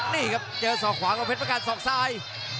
นี่ครับเจอส่อขวากับเพชรประการส่อซ้าย